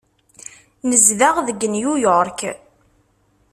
Nezdeɣ deg New York.